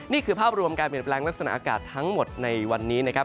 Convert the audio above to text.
นี่คือภาพรวมการเปลี่ยนแปลงลักษณะอากาศทั้งหมดในวันนี้นะครับ